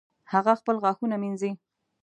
هغه خپل غاښونه مینځي